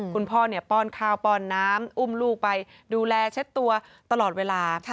คุณพ่อป้อนข้าวป้อนน้ำอุ้มลูกไปดูแลเช็ดตัวตลอดเวลา